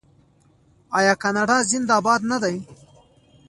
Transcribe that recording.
آیا کاناډا زنده باد نه دی؟